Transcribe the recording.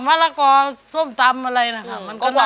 มะละกอส้มตำอะไรนะคะมันก็น่าวค่ะ